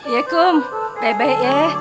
yaikum baik baik ya